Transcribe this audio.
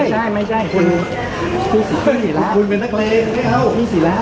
ไม่ใช่ไม่ใช่คุณเป็นนักเลไม่เอา